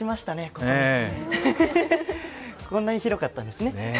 こんなに広かったんですね。